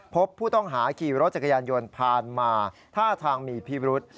พบผู้ต้องหาขี่รถจักรยานยนต์ผ่านมาท่าทางมีพิรุษ